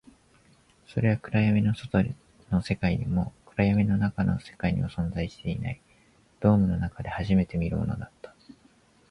それは暗闇の外の世界にも、暗闇の中の世界にも存在していない、ドームの中で初めて見るものだった